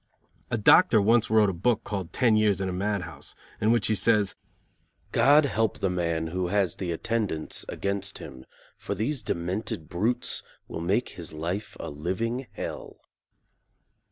A doctor once wrote a book called Ten Years in a Mad House, in which he says "God help the man who has the attendants against him; for these demented brutes will make his life a living hell."